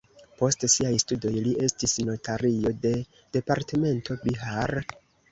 Post siaj studoj li estis notario de departemento Bihar.